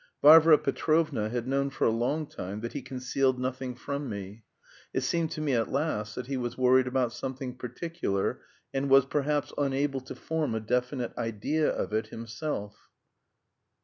Varvara Petrovna had known for a long time that he concealed nothing from me. It seemed to me at last that he was worried about something particular, and was perhaps unable to form a definite idea of it himself.